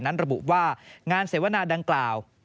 ระบุว่างานเสวนาดังกล่าว